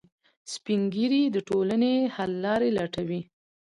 سپین ږیری د ټولنې د حل لارې لټوي